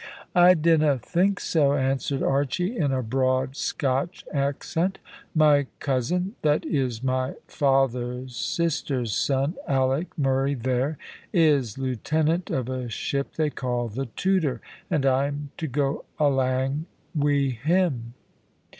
"I dinna think so," answered Archy, in a broad Scotch accent. "My cousin, that is my father's sister's son, Alick Murray there, is lieutenant of a ship they call the Tudor, and I'm to go alang wi' him."